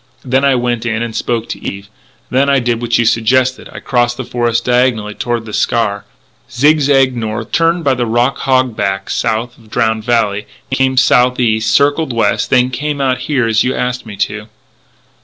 Then I went in and spoke to Eve. Then I did what you suggested I crossed the forest diagonally toward The Scaur, zig zagged north, turned by the rock hog back south of Drowned Valley, came southeast, circled west, and came out here as you asked me to."